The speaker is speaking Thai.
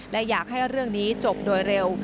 และอยากให้เรื่องนี้จบโดยเร็ว